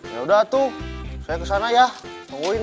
yaudah tuh saya ke sana ya tungguin ya